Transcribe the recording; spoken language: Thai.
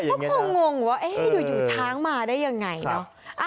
เพราะเขางงว่าเอ๊ะอยู่ช้างมาได้ยังไงเนอะ